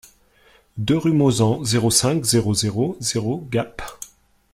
deux rue Mauzan, zéro cinq, zéro zéro zéro Gap